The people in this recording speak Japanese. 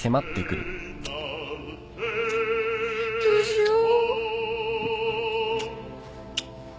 どうしよう。